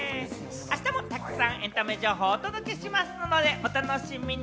あしたもたくさんエンタメ情報をお届けしますのでお楽しみに。